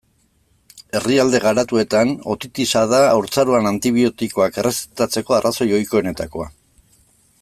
Herrialde garatuetan, otitisa da haurtzaroan antibiotikoak errezetatzeko arrazoi ohikoenetakoa.